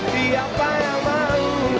siapa yang mau